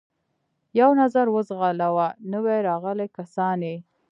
یو نظر و ځغلاوه، نوي راغلي کسان یې.